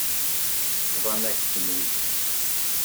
Bḍan-ak-ten-id.